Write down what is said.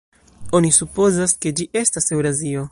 Oni supozas, ke ĝi estas Eŭrazio.